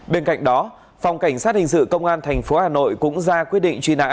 bên cạnh đó phòng cảnh sát hình sự công an tp hà nội cũng ra quyết định truy nã